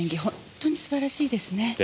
本当に素晴らしいですね。